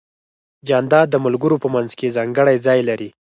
جانداد د ملګرو په منځ کې ځانګړی ځای لري.